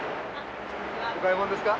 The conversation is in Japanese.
お買い物ですか？